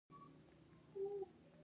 دولت له دې لارې مالیه اخلي.